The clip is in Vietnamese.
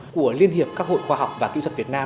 của liên hiệp các hội khoa học và kỹ thuật việt nam